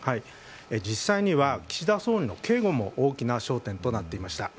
実際には岸田総理の警護も大きな焦点となっていました。